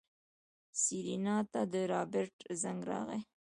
سېرېنا ته د رابرټ زنګ راغی.